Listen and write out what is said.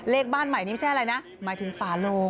บ้านใหม่นี่ไม่ใช่อะไรนะหมายถึงฝาโลง